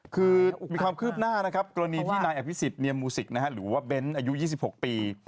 คือมีความคืบหน้านะครับกรณีที่นายอภิษฎเนียมมูสิกหรือว่าเบ้นอายุ๒๖ปี